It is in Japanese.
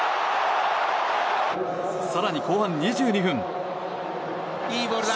更に後半２２分。